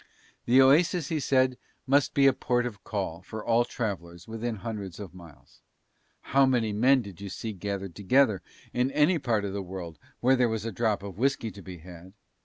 The oasis he said must be a port of call for all the travellers within hundreds of miles: how many men did you see gathered together in any part of the world where there was a drop of whiskey to be had!